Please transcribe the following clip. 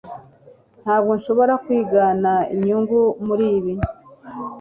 ntabwo nshobora kwigana inyungu muri ibi